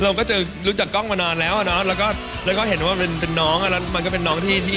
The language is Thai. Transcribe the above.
เราก็จะรู้จักกองมานานแล้วนะแล้วก็เห็นว่ามันเป็นน้องมันก็เป็นน้องที่ตลก